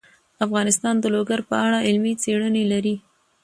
افغانستان د لوگر په اړه علمي څېړنې لري.